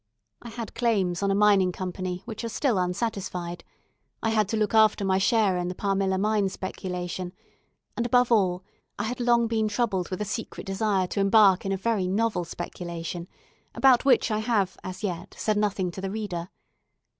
I had claims on a Mining Company which are still unsatisfied; I had to look after my share in the Palmilla Mine speculation; and, above all, I had long been troubled with a secret desire to embark in a very novel speculation, about which I have as yet said nothing to the reader.